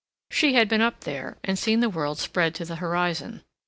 She had been up there and seen the world spread to the horizon.